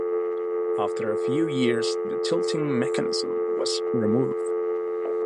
After a few years the tilting mechanism was removed.